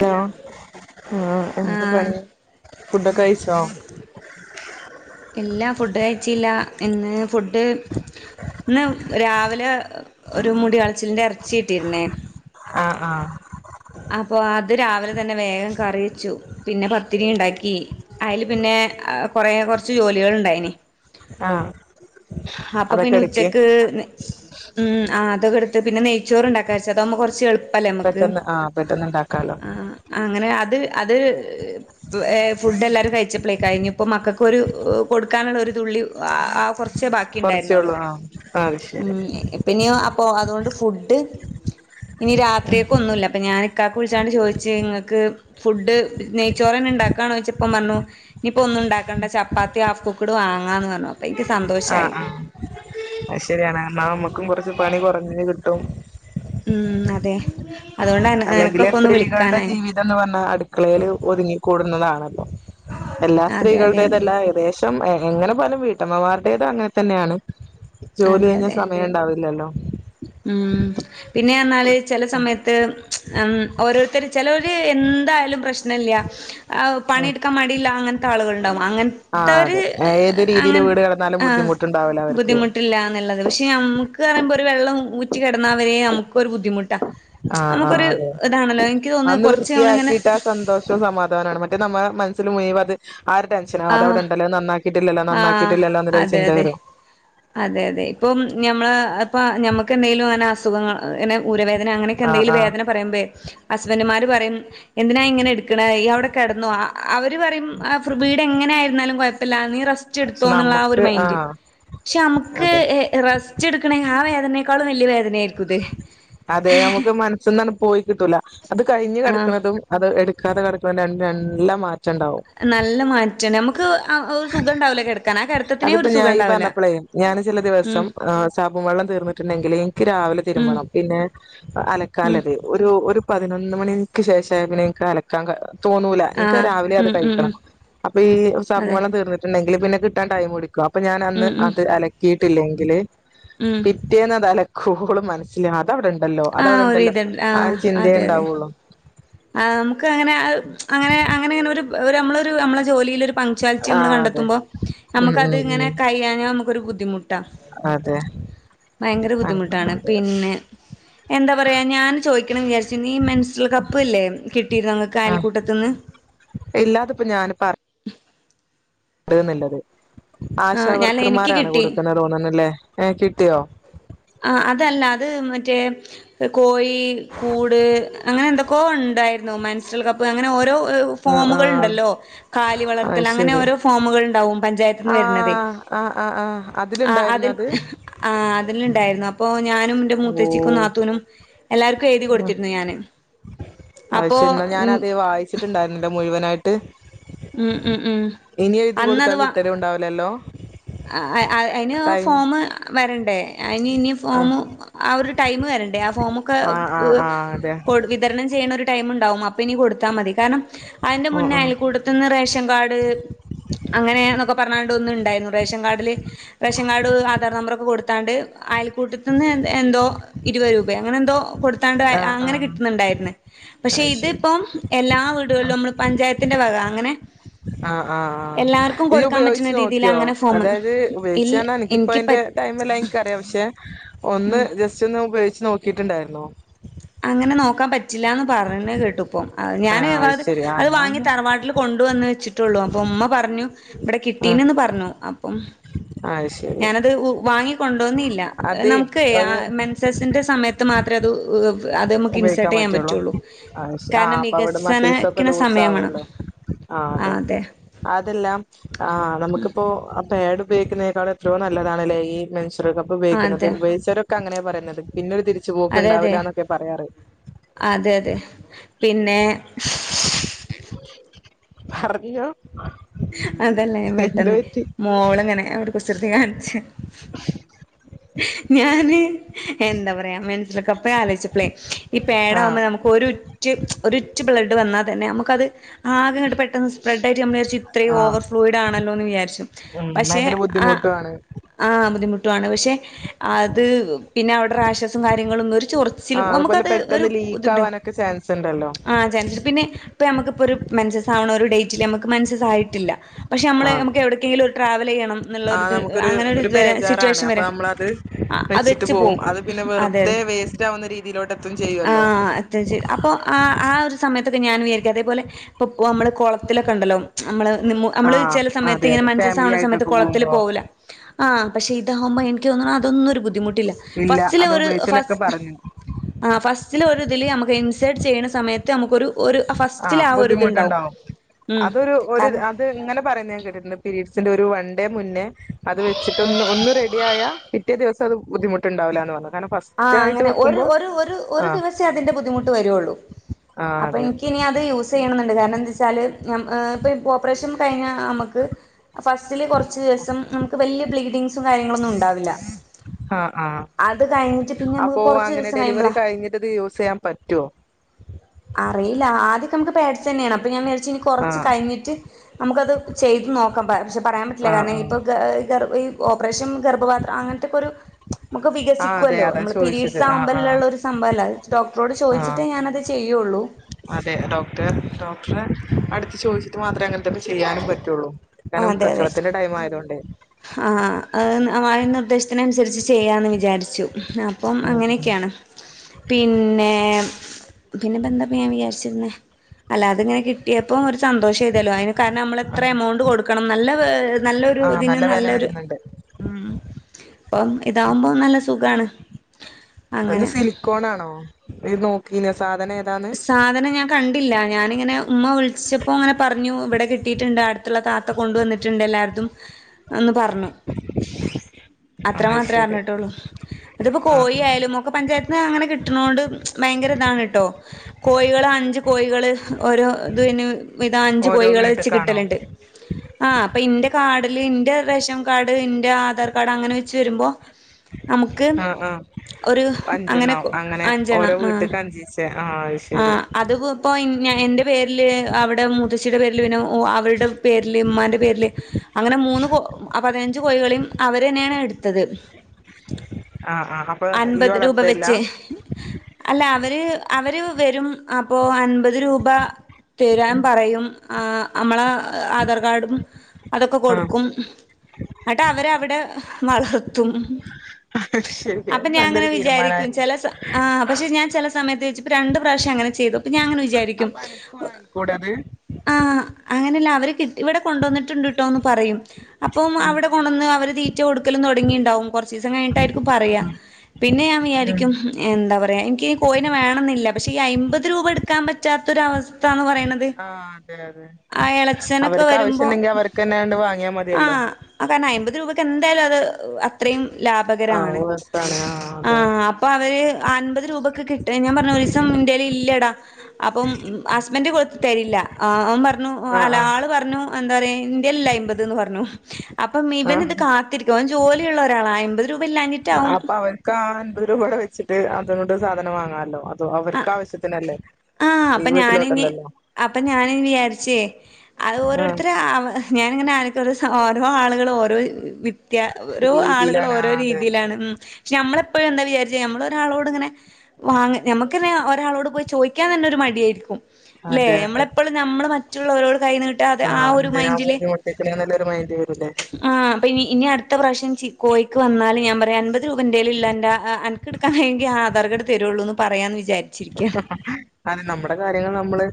Hello ആ എന്ത ആഹ് പണി ഫുഡൊക്കെ കഴിച്ചോ? ഇല്ലാ ഫുഡ് കഴിച്ചില്ല ഇന്ന് ഫുഡ് ഇന്ന് രാവിലെ ഒരു മുഡ്യാൾച്ചിന്റെറച്ചി കിട്ടിര്ന്നെ ആഹ് ആഹ് അപ്പൊ അത് രാവിലെതന്നെ വേഗം കറിവെച്ചു പിന്നെ പത്തിരിണ്ടാക്കി. അയില് പിന്നെ കൊറെ കൊറച്ച് ജോലികള്ണ്ടായിനി ആഹ് അതൊക്കെ അപ്പപിന്നെ എടുക്ക് ഉച്ചക്ക് ഇ ഉം ആ അതൊക്കെട്ത്ത് പിന്നെ നെയ്ച്ചോറ്ണ്ടാക്ക വിചാര്ച്ച് അതാവുമ്പോ കൊറച്ച് എളു പെട്ടെന്ന് ആ പെട്ടെന്ന്ണ്ടാക്ക ആഹ് അങ്ങനെ അത് അത് ഹ്. ഫുഡെല്ലാരും കഴിച്ചപ്പളെ കഴിഞ്ഞപ്പ മക്കക്ക് ഒരു കൊടുക്കാന്ള്ള ഒരു തുള്ളി ആ കൊറ ച്ചെ ബാക്കിണ്ടായിരുന്നൊള്ളൂ കൊറച്ചേള്ളൂ ആഹ് അത് ശരി ഉം പിന്നിം അപ്പോ അതോണ്ട് ഫുഡ് ഇനി രാത്രിക്കോക്കെ ഒന്നുല്ല. പ്പ ഞാനിക്കാക്ക് വിൾച്ചാണ്ട് ചോയ്ച്ച് ഇങ്ങക്ക് ഫുഡ് ന്നെയ്ച്ചോറെന്നെ ഇണ്ടാക്കാന്നോയ്ച്ചപ്പം പർഞ്ഞു. ഇഞ്ഞിപ്പോന്നു ണ്ടാക്കണ്ട ചപ്പാത്തി ഹാഫ് കുക്ക്ട് വാങ്ങാന്ന് പറഞ്ഞു അപ്പൊ എനിക്ക് ആഹ് സന്തോഷായി ആഹ് അഹ് ശെരിയാണ് ന്നാ ന്നമ്മുക്കും കൊറച്ച് പണി കൊറഞ്ഞത് കിട്ടും ഉം അതെ അതോണ്ട് അൻ അനക്കൊക്കോന്ന് വിളിക്കാനായി ഇതെന്ന് പറഞ്ഞാൽ അട്ക്ക്ളെല് ഒതുങ്ങിക്കൂടുന്നതാണല്ലോ എല്ലാ അതെ അതെ സ്ത്രീകളുടെതല്ല ഏകദേശ് തും എങ്ങനെ പോയലും വീട്ടമ്മമാരുടേത് അങ്ങൻ തന്നെയാണ് ജോലി അതെ കഴിഞ്ഞാ അതെ സമയണ്ടാവില്ലല്ലോ. ഉം. പിന്നെ അർണാല് ചെല സമയത്ത് ഉം ഓരോര്ത്തര് ചെലോര് എന്തായാലും പ്രശ് ണല്ല്യ അയ് പണി ഉം ഇട്ക്കാൻ മടില്ലാ അങ്ങൻ ത്ത ആളുകള്ണ്ടാവും ആഹ് അങ്ങൻത്തോര് അതെ ഏത് രീതിയില് അങ്ങൻ വീട് കിടന്നാലും ആഹ് ബുദ്ധിമുട്ടുണ്ടാവൂല അവർക്ക് ബുദ്ധിമുട്ടില്ലന്ന്ള്ളെയ്. പഷെ ഞമക്ക് അറിമ്പോ ഒര് വെള്ളം ഊറ്റി കെടന്നാ വേം ഞമക്കൊര് ബുദ്ധിമുട്ടാ. ആഹ് ആഹ് നമുക്കൊരു അതെ ഇതാണല്ലോ എനിക്ക് തോന്നുന്നു അന്ന് കൊറച്ച് നമ്മളിങ്ങനെ വൃത്തിയാക്കിട്ട് ആഹ് സന്തോഷ് റ്റവും സമാധാനാണ് മറ്റേ ന്നമ്മളെ മനസ്സില് മുഴുവത്. ആഹ് ഒര് ടെൻഷനാ ആഹ് അതവ്ടെണ്ടല്ലോ അഹ് ന്നന്നാക്കിട്ടില്ലല്ലോ ആഹ് നന്നാക്കിയിട്ടില്ലല്ലോ ന്ന്ള്ളോര് അതെ ചിന്ത അതെ വെരും. അതെ അതെ ഇപ്പോം ഞമ്മള ഇപ്പ ഞമ്മക്ക് എന്തെലും അങ്ങനെ അസുഖങ്ങ ങ്ങെനെ ഊരവേദന അങ്ങനെക് ആഹ് ക്കെന്തെങ്ക്ലും ആഹ് വേദന പറയ്മ്പേയ് അസ്ബെന്റെമാര് പറിം എന്തിനാ ഇങ്ങനെ ഇട്ക്ക്ണെ ഈ ഔടെ കെടന്നോ അ അവര് പറിം അ ഫ്രീബെടെങ്ങനെ ങ്ങെനെര്ന്നാലും കൊയപ്പല്ല ന്നി പക്ഷെ റസ്റ്റ്‌ട്ത്തോന്ന്ള്ള ആഹ് നമുക്ക് ഒരുമെയിൻഡ് ആഹ് ഷെ അംക്ക് അതെ എഹ് റെസ് ജ്ജ്ട്ക്ക്ണി ആ വേദനെക്കാളും വല്ല്യേ വേദനെ അതെ നമ്ക്ക് മനസ്സ്ന്നട് പോയി ക്ട്ടൂല അത് കഴ്ഞ്ഞ് ആഹ് കടക്കണ്തും അത് എടുക്കാതെ കടക്കുന്നതും രണ്ടും രല്ലാ മാറ്റ ണ്ടാവും നല്ല മാറ്റണ് നമ്ക്ക് അ ഒരു സുഖ ണ്ടാവൂല്ല കെട്ക്കാൻ ആ കെട്ത്തത്തിനേ ഒരു സുഖ ണ്ടാവൂല്ല. ഞാന് ചെല ദിവസം സാപ്പും വെള്ളം തീർന്നിട്ടുണ്ടെങ്കില് ഇൻക്ക് രാ വിലെ ഉം തിര്മ്പണം പിന്നെ ഉം അലക്കാലത് ഒരു ഒര് പതിനൊന്ന് മണിക്ക് ശേഷായ പിന്നെ ഇൻക്ക് അലക്കാൻ ക തോന്നൂല ഇൻക്ക് ആഹ് രാവിലെ അത് ഉം ഉം ഉം കഴിക്കണം അപ്പൊ ഈ സാപ്പ് അതെ വളം തീർന്ന്ട്ട്ണ്ടെങ്കിൽ പിന്നെ കിട്ടാൻ ടൈം പിടി അപ്പൊ ഉം ഞാനന്ന് ഉം അത് അലക്കിയിട്ടില്ലെങ്കില് ഉം പിറ്റേന്നത് അലക്കോളം മനസ്സില് അത് അവ്ടെണ്ടല്ലോ ആ അത് ഒരു അവ്ടെണ്ടല്ലോ ഇതുണ്ട് ആഹ് ഒര് ചിന്തെണ്ടാവൊള്ളു ആഹ് ന്നമുക്ക് അങ്ങനെ അഹ് അങ്ങനെ അങ്ങനെ അങ്ങനോര് ഒര് അമ്മളോരു അമ്മളെ ജോലിയിലോര് പങ്ച്വലിറ്റി ആ ന്നമ്മൾ അതെ കണ്ടെത്ത്മ്പോ ഉം ന്നമക്കത് ഉം ഇങ്ങനെ ഉം കയ്യയ്ഞ ഞമുക്കൊരു ബുദ്ധിമുട്ടാ അതെ ഭയങ്കര ബുദ്ധിമുട്ടാണ് അങ്ങനെ പിന്നെ എന്താ പറയ ഞാൻ ചോയ്ക്കണംന്ന് വിചാര്ചീന്ന് ഈ മെൻസറൽ കപ്പ്ല്ലേ കിട്ടിയ്ര്ന്നോ ഇങ്ങക്ക് അയൽക്കൂട്ടത്ത്ന്ന് ഇല്ലാ അത്പ്പൊ ഞാന് പർ ട്ട് ന്നില്ലത് ആ ഞാൻ എനിക്ക് ആശാവർക്കർമാരാണ് കിട്ടി കൊട്ക്ക്ന്നെ തോന്ന്ണ്ലെ ഏഹ് കിട്ട്യോ ആഹ് അതല്ല അത് മറ്റേ കോഴി കൂട് അങ്ങനെ എന്തൊക്കോ ഇണ്ടായിര്ന്നു മൻസ് സ്വറൽ കപ്പ് അങ്ങനെ ഓരോ ആ ആ ഫോമുകൾ ഇണ്ടല്ലോ കാലി അത് വളർത്തൽ അങ്ങനെ ശരി ഓരോ ഫോമുകൾണ്ടാവും പാഞ്ചയത് ന്ന് ആ വെര്നത് ആ ആ ആ ആഹ് അതിലുണ്ടായിരുന്ന അതിൽ അത് ആഹ് അതില്ണ്ടായ്ര്ന്നു അപ്പൊ ഞാനും ന്റെ ഓ മൂത്തച്ഛിക്കും ന്നാത്തൂനും എല്ലാര്ക്കും എഴ്തി കൊട്ത്തിര്ന്നു ഞാന് അപ്പൊ ഇം ച്ച്ട്ട് ഇണ്ടായ്ര്ന്നില മുഴുവനായ് ട്ട് ഉം ഉം ഇനി എഴ്തി കൊട്ത്താ അന്നത് വാ കിട്ടലു ഇണ്ടാവൂലല്ലോ. അ അയ് അ അയ്ന് ഫോമ് വരണ്ടേ അയ്ന് ഇനി ആ ഫോമ് ആ ഒര് ടൈമ് വരണ്ടേ ആഹ് ഫോമൊക്കെ ആ ആ എഹ് ആ അതെ കൊട് വിതരണം ചെയ്യണ ഒരു ടൈം ഉണ്ടാവും അപ്പൊ ഇനി കൊടുത്താ മതി. കാരണം അയിന്റെ ഓ മുന്നേ ഓ അയൽക്കൂട്ട ത്ത്ന്ന് റേഷൻ കാഡ് അങ്ങനെ ന്നൊക്കെ പർഞ്ഞാണ്ട് ഒന്ന് ഇണ്ടായിന്നു. റേഷൻ കാർഡില് റേഷൻ കാർഡ് ആധാർ നമ്പറൊക്കെ കൊടുത്താണ്ട് അയൽക്കൂട്ടത്ത്ന്ന് എ എന്തോ ഇരുപത് രൂപെ അങ്ങനെ എന്തോ കൊടുത്താണ്ട് ആ ആ അങ്ങനെ കിട്ട്ന്ന്ണ്ടായിര്ന്ന്. പക്ഷെ അത് ശരി ഇതിപ്പം എല്ലാ വീടുകളിലും നമ്മള് പഞ്ചായത്തിന്റെ വക. അങ്ങനെ ആഹ് ആഹ്. എല്ലാവർക്കും ഇജ്ജ് കൊടുക്കാൻ ഉപയോഗിച്ച് പറ്റുന്ന രീതിയിൽ നോക്കിയോ? അങ്ങനെ ഫോമ് അതായത് ഉപയോഗിച്ചാ ഇല്ല പർഞാ എനിക്കിപ്പോ എനിക്ക് പ അതിന്റെ ടൈമല്ലാ ഇൻക്കറിയാ. പക്ഷെ ഒന്ന് ജ ജെസ്റ്റ് ഒന്ന് ഉപയോഗിച്ച് നോക്കിയിട്ടുണ്ടായിന്നോ. അങ്ങനെ നോക്കാൻ പറ്റില്ലാന്ന് പറ് ണെ കേട്ടു ഇപ്പം. ഞാൻ ആഹ് അത് ശരി ആ അത് എന്നാ വാങ്ങി തറവാട്ട്ല് കൊണ്ടുവന്ന് വെച്ചിട്ടൊള്ളൂ. അപ്പം ഉമ്മ പറഞ്ഞു, ഇബടെ കിട്ടീന് ന്ന് പറഞ്ഞു അപ്പം അഹ് ശ് ഞാനത് വാങ്ങി കൊണ്ടോന്നില്ല. അതേ നമുക്കേ ഒരു മെൻ സസിന്റെ സമയത്ത് മാത്രേ അത് അത് നമുക്ക് ഇൻസർട്ട് ഉപയോഗിക്കാൻ ചെയ്യാൻ പറ്റുള്ളൂ പറ്റൊള്ളു. ആഹ് ശ ആഹ് കാരണം അപ്പൊ അവിടെ മസിൽസ് ഒക്കെ വികസനക്ക്ണെ ലൂസ് സമയം വാണം. ആവുമല്ലോ ആഹ് അതെ. അതെല്ലാം ആഹ് നമുക്കിപ്പോ പേഡ് ഉപയോഗിക്ക്ന്നേ ക്കാളും എത്രയോ നല്ലതാണ് ല്ലേ മെൻസ്റൽ കപ് പ് ആ ഉപയോഗിക്ണത്. അതെ ഉപയോഗിച്ചോരൊക്കെ അങ്ങനെ പറയുന്നത് പിന്നൊരു തിരിച്ചു അതെ അതെ പോക്ക്ണ്ടാവില്ലാന്നൊക്കെ അതെ അതെ. പിന്നെ പർഞ്ഞോ അതല്ല ഞാൻ പെട്ടെന്നെ മോള് ഇങ്ങനെ ഒര് കുസൃതി കാണ്ച്ച്. ഞാന് എന്താ പറയാ മെൻസ്ട്രൽ കപ്പ് ആലോയിച്ചപ്പളെ ഈ ആഹ് പേഡാവുമ്പ നമു ഒരുറ്റ് ഒരുറ്റ് ബ്ലഡ് വന്നാ തന്നെ നമുക്കത് ആകെ ഇങ്ങട്ട് പെട്ടെന്ന് സ്പ്രെഡായിട്ട് നമ്മള് വിചാര്ച്ചു ഇത്രയും ആഹ് ഓവർ ഫ്ലോയിഡ് ആണല്ലോന്ന് വിചാര്ച്ചും. ഉം പക്ഷെ ഭയങ്കര ആ ബുദ്ധിമുട്ടും ആണ് ആഹ് ബുദ്ധിമുട്ടു ആണ് പക്ഷെ അത് പിന്നെ അവടെ റാഷസും കാര്യങ്ങളും ഒര് ചൊറ് ച്ചിലും ആഹ് അതുപോലെ നമുക്കത് ഒരു പെട്ടെന്ന് ലീക്ക് ബുദ്ധിമുട്ട് ആവാനൊക്കെ ചാൻസ് ഉണ്ടല്ലോ ആഹ് [unintelligible] പിന്നെ ഇപ്പ നമക്കിപ്പൊ ഒരു മെൻസസ് ആവ്ണൊരു ഡേറ്റില് നമുക്ക് മൻസസായിട്ടില്ല. പക്ഷെ നമ്മള് ആഹ് നമുക്ക് എവിടക്കെങ്കിലും ഒരു ട്രാവൽ ചെയ്യണം ആ ന്നുള്ളൊര് ത് നമുക്കൊരു ഒരു അങ്ങനൊര്ത് വരാ ബേജാറാണ് സിറ്റുവേഷൻ അപ്പൊ വരാ. നമ്മളത് വെച്ചിട്ട് പോവും. അത് പിന്നെ വെറുതെ അതെ വേസ്റ്റ് ആവുന്ന രീതിയിലോട്ടെത്തും ചെയ്യൊല്ലോ. ത്തും ചെയ്ത് അപ്പൊ ആ ആ ഒരു സമയത്തൊക്കെ ഞാൻ വിചാരിക്കാ. അതേപോലെ ഇപ്പൊ നമ്മള് കുളത്തിലൊക്കെണ്ടല്ലോ നമ്മള് നു നമ്മള് ആഹ് ചെല സമയത്ത് അതെ ഇങ്ങനെ അതെ മൻസസ് ഫാമിലി ആവ്ണ സമയത്ത് ആയിട്ടൊക്കെ കുളത്തില് പോകുമ്പോ പോവൂല്ല. ആഹ് പക്ഷേ ഇതാവുമ്പോ എനിക്ക് തോന്ന്ണു അതൊന്നും ഒരു ബുദ്ധിമുട്ടില്ല. ഇല്ല ഫസ്റ്റില് അത് ഒരു ഫസ് ഉപയോഗിച്ചലൊക്കെ പറഞ്ഞു ആഹ് ഫസ്റ്റില് ഒരു ഇതില് നമുക്ക് ഇൻസെർട്ട് ചെയ്യണെ സമയ ത്ത് നമുക്കൊരു ഒരു ആഹ് ഫസ്റ്റിലാ ഒര് ഇത്ണ്ടാവും. ബുദ്ധിമുട്ടുണ്ടാവും ഉം അതൊരു ഒരു കാരണം, അത് ഇങ്ങനെ പറയുന്ന ഞാൻ കേട്ടിട്ട്ണ്ട്. പീരീഡ്സിന്റെ ഒരു വൺ ഡേ മുന്നേ അത് വെച്ചിട്ടൊന്ന് ഒന്ന് റെഡിയായാ പിറ്റേ ദിവസം അത് ബുദ്ധിമുട്ടുണ്ടാവുല്ലാന്ന് പർഞ്. കാരണം ഫസ് ആഹ് അങ്ങനെ ഒരു ഒരു ഒരു ദിവസേ അതിൻ്റെ ബുദ്ധിമുട്ട് വരോള്ളൂ. ആഹ് അപ്പൊ അതെ ഇൻക്കിനി അത് യൂസ് ചെയ്യണം ന്ന്ണ്ട് കാരണം എന്താച്ചാല് ഞം ഏഹ് മക് ഓപ്പറേഷൻ കഴിഞ്ഞാ നമക്ക്, ഫസ്റ്റില് കുറച്ചു ദിവസം നമുക്ക് വലിയ ബ്ലീഡിംഗ്സും കാര്യങ്ങളൊന്നും ഉണ്ടാവില്ല. ആഹ് ആഹ് അത് കഴിഞ്ഞിട്ട് പിന്നെ നമുക്ക് അപ്പോ കുറച്ച് അങ്ങനെ ദിവസം ഡെലിവറി കഴിയുമ്പളാ കഴിഞ്ഞിട്ട്ത് യൂസ് ചെയ്യാൻ പറ്റോ? അറീല്ല. ആദ്യൊക്കെ നമക്ക് പേഡ്സെന്നേണ്. അപ്പൊ ഞാൻ വിചാരിച്ച് ഇനി കൊറച്ച് ആഹ് കഴിഞ്ഞിട്ട് നമുക്കത് ചെയ്ത് നോക്കാം. പ പക്ഷെ പറയാൻ പറ്റില്ല. ആഹ് കാരണം ആഹ് ഇപ്പോ ഗ ഗർ ഈ ഓപ്പറേഷൻ ഗർഭപാത്രം അങ്ങനത്തൊക്കെ ഒരു നമുക്ക് ആ അതെ വികസിക്കുവല്ലോ അതാ നമ്മള് ചോദിച്ചത് പിരീഡ്സ് ആ ആ ആവുമ്പോല്ലള്ള ഒരു സംഭവമല്ല ഡോക്ടറോട് ആ ചോദിച്ചിട്ട് ഞാനത്. ഹലോ? അതെ ഡോക്ടർ ഡോക്ടർ അടുത്ത് ചോദിച്ചിട്ട് മാത്രേ അങ്ങനെ ചെയ്യാനും പറ്റുള്ളൂ കാരണം പ്രസവത്തിന്റെ ടൈം ആയതൊണ്ട്. ആ അമായായ നിർദ്ദേശത്തിന് അനുസരിച്ച് ചെയ്യാന്ന് വിചാരിച്ചു. ആഹ അപ്പം ഉം ഉം അങ്ങനെയൊക്കെയാണ്. പിന്നെ പിന്നെ എന്താപ്പ ഞാൻ വിചാരിച്ചിരുന്നേ അല്ലാ അതി ഇങ്ങനെ കി എപ്പം ഒരു സന്തോഷം ചെയ്തല്ലോ അതിന് കാരണം നമ്മൾ ആ എത്ര എമൗണ്ട് കൊടുക്കണം. നല്ല നല്ലൊരു ആ നല്ല [unintelligible] വില നല്ലരു വരുന്നുണ്ട് ഉ അപ്പം ഇതാവുമ്പോ നല്ല സുഖാണ്. അത് അങ്ങനെ സിലിക്കോൺ ആണോ ഇയ് നോക്കീന്യാ സാധനേതാന്ന്? സാധനം ഞാൻ കണ്ടില്ല ഞാനിങ്ങനെ ഉമ്മ വിളിച്ചപ്പം ഇങ്ങനെ പറഞ്ഞു ഇവടെ കിട്ടീട്ട്ണ്ട്. അടു ത്ത്ള്ള താത്ത കൊണ്ടുവന്നിട്ടുണ്ട് എല്ലാര്തും [inaudible] എന്ന് പർഞ്ഞു ആ അത്ര അത് മാത്രെ ശരി അറിഞ്ഞിട്ടുള്ളൂ അതിപ്പം ആ കോയി ആ. ആയാലും ഒക്കെ പഞ്ചായ ത്ത്ന്ന് അങ്ങനെ കിട്ട്ണോണ്ട് ഭയങ്കര ഇതാണ് ട്ടോ കോയ്കള് അഞ്ച് കോയ്കള് ഓരോ ഇതിന് ഇതാ അഞ്ച് ഓരോ കോയ്കള വെച്ച് വീട്ടക്കാണോ കിട്ടല്ണ്ട് ആഹ അപ്പം ഇന്റെ കാർഡില് ഇന്റെ റേഷൻ കാർഡ് ഇന്റെ ആധാർ കാർഡ് അങ്ങനെ വെച്ച് വരുമ്പം നമുക്ക് ആ ആ ഒരു അങ്ങനെ അഞ്ചെണ്ണം ആഹ. തെ ആഹ അയ് ആഹ അത്കും പ്പൊ എന്റെ പേരില്, അവടെ മുത്തച്ചിയുടെ പേരില്, പിന്നെ അവളുടെ പേരില്, ഉമ്മാന്റെ പേരില്, അങ്ങനെ മൂന്ന് കോ പതിനഞ്ച് കോഴികളിം അവരന്നൊണ് ഇട്ത്തത്. ആ ആ അപ്പൊ ഈ അൻപത് രൂപ വളർത്തല്ല വെച്ച് അല്ല അവര് അവര് വരും അപ്പോ അൻപത് രൂപ തരാൻ പറയും. ആഹ അമ്മളെ ആധാർ കാർഡും കാഡൊക്കെ ആ കൊടുക്കും ന്നട്ട് അവരവടെ വളർ ത്തും ശരി അപ്പം അത് ഞാൻ ഇങ്ങനെ നല്ലൊരു വിചാരിക്കും തീരുമാനമായിരുന്നു ചെല സ ആഹ പക്ഷെ ഞാൻ ചെലസമയത്ത് വിചാരിച്ചും ഇപ്പം രണ്ട് പ്രാവശ്യം അങ്ങനെ ചെയ്തു. അപ്പം ഞാൻ ഇങ്ങനെ വിചാ വിചരിക്കും അപ്പൊ അനക്ക് വാങ്ങിക്കൂടെ അത് ആഹ അങ്ങനെയല്ല അവര് കിട്ടി ഇവടെ കൊണ്ടന്ന് ട്ട്ണ്ട്ട്ടോന്ന് പറയും. അപ്പം ഉം അവടെ കൊണ്ടന്ന് അവര് തീറ്റ കൊടുക്കലും തൊടങ്ങീണ്ടാവും കൊറച്ചീസം കയ്ഞ്ഞിട്ടായിരിക്കും പറയാ. പിന്നെ ഞാൻ വിചാരിയ്ക്കും എന്താ പറയാ ഇൻക്ക് ഈ കോയിനെ വേണെന്നില്ല. പക്ഷെ ഈ അയ്പത് രൂപ ഇട്ക്കാൻ പറ്റാത്തൊരവസ്ഥ എന്ന് പറയ്ണ ത് ആ അതെ അതെ ആഹ എളച്ചനൊക്കെ അവർക്ക് ആവശ്യം വരുമ്പം ഉണ്ടെങ്കി അവർക്ക് തന്നെണ്ട് വാങ്ങിയാ മതിയല്ലോ ആഹ അഹ കാരണം അയ്പത് രൂപക്ക് എന്തായാലും അത് അത്രയും ആ ലാഭകരാണ്. വസ്താണ് ആ അതെ ആഹ അപ്പം അവര് അൻപത് രൂപക്ക് കിട്ട ഞാൻ പറഞ്ഞ് ഒരീസ ഇൻ്റെല്ലടാ അപ്പം ഹസ്ബന്ഡ് കൊടുത്ത് തരില്ല ആഹ ഓൻ പറഞ്ഞു ആ അല്ല ആ ആള് പറഞ്ഞു എന്താ പറയാ ഇൻ്റേല്ല അയ്പത് ന്ന് പറഞ്ഞു. അപ്പം ആ ഇവന് ഇത് കാത്തിരിക്ക ഓൻ ജോലിയുള്ള ഒരാളാ. അയ്പത് അഹ അപ്പം അവൻക്ക് ആഹ അൻപത് രൂപ അവുടെ വെച്ചിട്ട് അതും കൊണ്ട് സാധനം വാങ്ങാല്ലോ. ല്ലൊ അവർക്ക് ആവശ്യത്തിനല്ലേ? ഈ അപ്പം ഞാന് ഇഞ്ഞ് വീട്ടിലോട്ടല്ലല്ലോ അപ്പം ഞാനിഞ്ഞ് വിചാരിച്ചേ അത് ആ ഓരോരുത്തരെ അവ ഞാനിങ്ങനെ ആലോയ്ക്ക ഓരോ ആളുകളും ഓരോ വി ത്യാ ഓരോ ആളുകളും രീതിയിലാണ് ആ ഓരോ അതെ രീതിയിലാണ് ഉം പക്ഷെ നമ്മളെപ്പളും എന്താ വിചാരിച്ച ഞമ്മള് ഒരാളോട് ഇങ്ങനെ വാങ്ങ നമക്കെന്നെ ഒരാളോട് പോയി ചോയ്ക്യാൻ തന്നെ ഒര് ഒര് മടിയായിരിക്കും ല്ലെ അതെ അതെ നമ്മളെപ്പളും നമ്മള് മറ്റുള്ളവരോട് കൈ നീട്ടാതെ അഹ് ഒരു മൈൻഡില് ത്തേക്കണേ നല്ലൊരു മൈൻഡ് വരുംലെ അപ്പം ഇനി ഇനി അടുത്ത പ്രാവശ്യം ചി കോയിക്ക് വന്നാല് ഞാൻ പറയും അൻപത് രൂപ ഇൻ്റെലില്ല അനക്ക് ഇട്ക്കാൻ കയ്യൊങ്ക്യോ ആധാർ കാഡ് തരൊള്ളൂന്ന് പറയാന്ന് വിചാരി അത് നമ്മുടെ കാര്യങ്ങള് നമ്മള്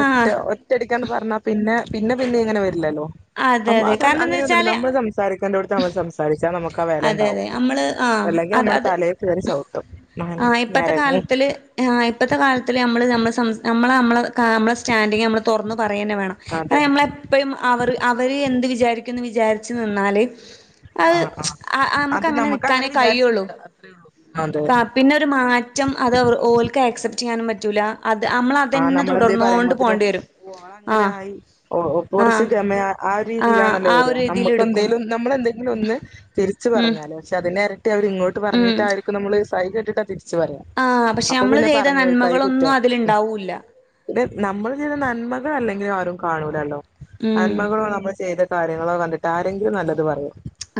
ഒറ്റ ഒ റ്റടിക്കാന്ന് പറഞ്ഞ പിന്നെ പിന്നെ പിന്നെ ഇങ്ങനെ വരില്ലല്ലോ അതെ അതെ അത കാരണം എന്താ അങ്ങനെയൊന്നുണ്ട് വെച്ചാല് നമ്മൾ സംസാരിക്കണ്ടോടുത്ത് നമ്മൾ സംസാരിച്ചാ നമുക്ക് ആ അതെ വെലണ്ടാവും അതെ നമ്മള് ആഹ് അല്ലെങ്കി അത് ഞമ്മളെ അത് തലേ കേറി ചവുട്ടും അയെന്നെ ആഹ് ഇപ്പത്തെ നെരങ്ങും കാലത്തില് ആഹ് ഇപ്പത്തെ കാലത്ത്ല് ഞമ്മള് നമ്മളെ സംസ് നമ്മള് നമ്മളെ സ്റ്റാൻഡിങ്ങ് നമ്മള് തൊറന്ന് പറയെന്നെ വേണം അത് അതെ ഞമ്മളെപ്പയും അവറ് അവര് എന്ത് വിചാരിക്കുംന്ന് വിചാരിച്ചു നിന്നാല് അത് ആഹ് ആഹ് അത് ഞമ്മക്കങ്ങനെ നമുക്ക് നിക്കാനേ അങ്ങനെ വിചാരിച്ച് കഴിയുള്ളൂ നിക്കാ അത്രേ ഉള്ളൂ അതെ പ്പ പിന്നെ ഒരു മാറ്റം അത് അവറ് ഓൽക്ക് ആക്സെപ്റ്റ് ചെയ്യാനും പറ്റൂല അത് അമ്മള ആഹ് നമ്മളെന്ത പറയുമ്പോത്തിനു ഓളങ്ങനെ ആഹ് ആയി ഓക് കുറച്ച് ആഹ് ഗമയ ആ ആഹ് രീതിയിലാണല്ലോ ആ വരക ഒരു രീതിയില് നമുക്ക് എടുക്കും എന്തെങ്കിലും നമ്മളെന്തെങ്കിലും ഒന്ന് തിരിച്ചു ഉം പറഞ്ഞാലോ പക്ഷെ അതിനിരട്ടി അവരിങ്ങോട്ട് ഉം പറഞ്ഞിട്ടാരിക്കും നമ്മള് സഹി കെട്ടിട്ട് തിരിച്ച് ആഹ് പറയുന്നത് പക്ഷെ അപ്പൊ നമ്മള് പിന്നെ ചെയ്ത പറഞ്ഞു ഓർക്കായി നന്മകളൊന്നും കുറ്റം അതിലുണ്ടാവൂല്ല ഇത് നമ്മൾ ചെയ്ത നന്മകൾ അല്ലെങ്കിലും ആരും കാണൂലല്ലോ ഉം നന്മകളോ നമ്മൾ ചെയ്ത കാര്യങ്ങളോ കണ്ടിട്ട് ആരെങ്കിലും നല്ലത് പറയോ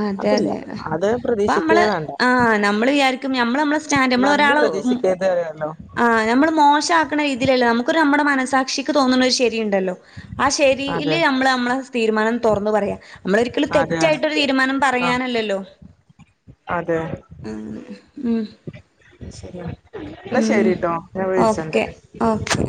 അതെ അതില്ല അതെ അത് അപ്പ പ്രതീക്ഷിക്കേ നമ്മള് വേണ്ട ആഹ് നമ്മള് വിചാ നമ്മള് നമ്മ സ്റ്റാൻഡ് നമ്മള നന്ദി ഒരാള് പ്രതീക്ഷിക്കരുത് അറിയാലോ ആഹ് നമ്മള് മോശമാക്കുന്ന രീതിയിലല്ലേ നമുക്കൊരു നമ്മുടെ മനസാക്ഷിക്ക് തോന്നുന്ന ഒരു ശരി ഉണ്ടല്ലോ ആ ശരിൽ അതെ നമ്മള് നമ്മളെ തീരുമാനം തുറന്നു പറയാ നമ്മള ഒരിക്കലും തെറ്റായിട്ട് തീരുമാനം പറയാനല്ലല്ലോ അതേ ഉം ശരി എന്നാ ഉം ശെരിട്ടോ ഞാൻ വിളിച്ചണ്ട് ഓക്കെ ഓക്കെ